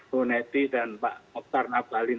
bu nedi dan pak oktar nabalin